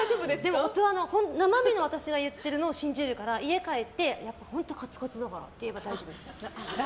生身の私が言ってるのを信じるから家に帰って、やっぱり本当にカツカツだからって言えば大丈夫です。